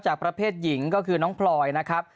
ประเภทหญิงก็คือน้องพลอยนะครับ